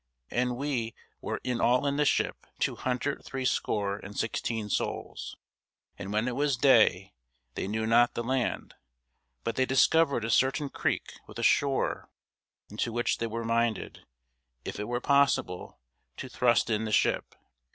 And we were in all in the ship two hundred threescore and sixteen souls. And when it was day, they knew not the land: but they discovered a certain creek with a shore, into the which they were minded, if it were possible, to thrust in the ship.